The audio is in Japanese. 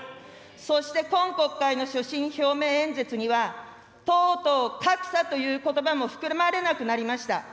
そして今国会の所信表明演説には、とうとう格差ということばも含まれなくなりました。